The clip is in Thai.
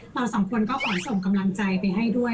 เราสองคนก็ขอส่งกำลังใจไปให้ด้วย